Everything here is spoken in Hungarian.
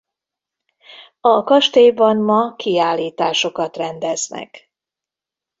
A kastélyban ma kiállításokat rendeznek.